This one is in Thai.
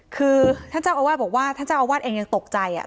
คือท่านเจ้าอาวาสบอกว่าท่านเจ้าอาวาสเองยังตกใจ